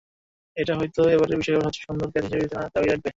এটা হয়তো এবারের বিশ্বকাপের সবচেয়ে সুন্দর ক্যাচ হিসেবে বিবেচনার দাবি রাখবে।